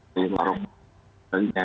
di warung lainnya